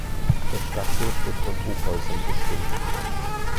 Das Stadtbild wird von Hochhäusern bestimmt.